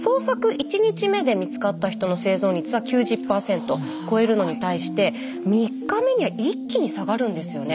１日目で見つかった人の生存率は９０％超えるのに対して３日目には一気に下がるんですよね。